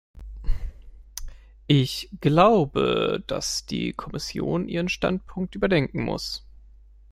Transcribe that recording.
Ich glaube, dass die Kommission ihren Standpunkt überdenken muss.